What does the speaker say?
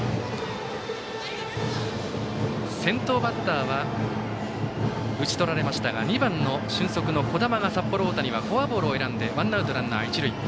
先頭バッターは打ち取られましたが２番の俊足の樹神が札幌大谷はフォアボールを選んでワンアウトランナー、一塁。